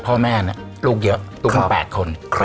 พ่อแม่ลูกเยอะลูกมี๘คน